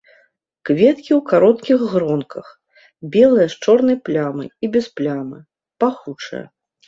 Кветкі ў кароткіх гронках, белыя з чорнай плямай і без плямы, пахучыя.